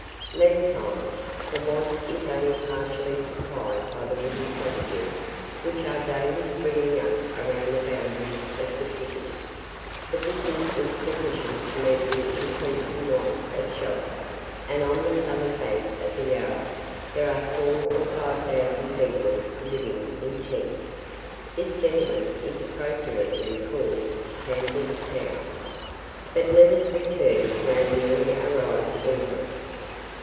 Meantime, the want is only partially supplied by the wooden cottages which are daily springing up around the boundaries of the city; but this is insufficient to meet the increasing want of shelter, and on the southern bank of the Yarra there are four or five thousand people living in tents. This settlement is appropriately called "Canvas Town." But let us return to our newly arrived emigrant.